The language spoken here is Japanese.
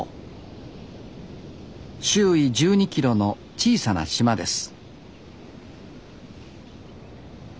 周囲１２ｋｍの小さな島です